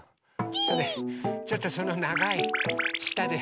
それちょっとそのながいしたで。